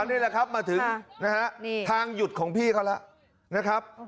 อันนี้แหละครับมาถึงทางหยุดของพี่เขาแล้ว